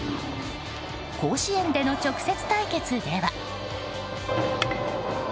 甲子園での直接対決では。